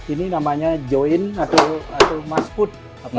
ini namanya join atau must foot